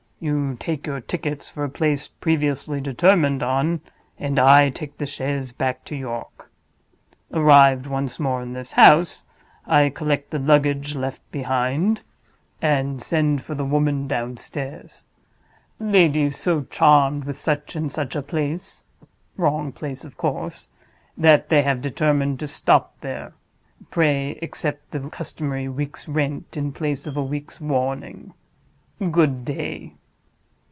You take your tickets for a place previously determined on, and I take the chaise back to York. Arrived once more in this house, I collect the luggage left behind, and send for the woman downstairs. 'Ladies so charmed with such and such a place (wrong place of course), that they have determined to stop there. Pray accept the customary week's rent, in place of a week's warning. Good day.